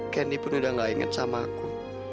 candy pun udah nggak inget sama aku